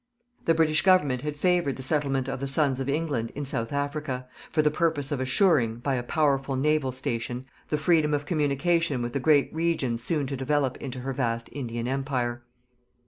The British Government had favoured the settlement of the sons of England in South Africa, for the purpose of assuring, by a powerful naval station, the freedom of communication with the great regions soon to develop into her vast Indian Empire.